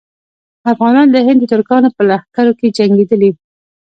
افغانان د هند د ترکانو په لښکرو کې جنګېدلي.